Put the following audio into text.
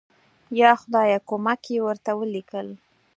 یا خدایه کومک یې ورته ولیکل.